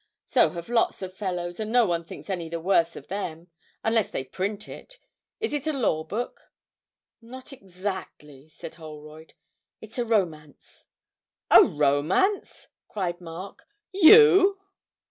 'So have lots of fellows, and no one thinks any the worse of them unless they print it. Is it a law book?' 'Not exactly,' said Holroyd; 'it's a romance.' 'A romance!' cried Mark. 'You!'